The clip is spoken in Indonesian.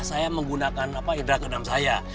saya menggunakan hidra kenam saya